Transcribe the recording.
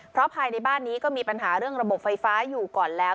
เพราะภายในบ้านนี้ก็มีปัญหาเรื่องระบบไฟฟ้าอยู่ก่อนแล้ว